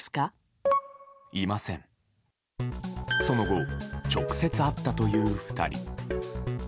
その後、直接会ったという２人。